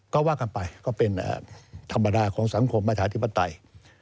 ก็ว่ากันไปก็เป็นธรรมดาของสังคมประชาธิปไตย